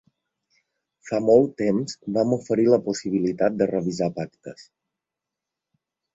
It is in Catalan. Fa molt temps vam oferir la possibilitat de revisar pactes.